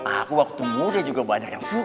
aku waktu muda juga banyak yang suka